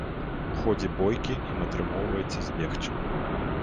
У ходзе бойкі ім атрымоўваецца збегчы.